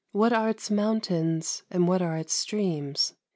What are its mountains, and what are its streams?